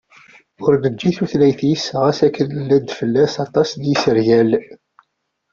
Ur neǧǧi tutlayt-is ɣas akken llan-d fell-as aṭas n yisergal.